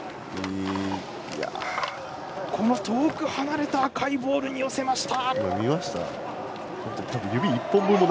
遠く離れた赤いボールに寄せました。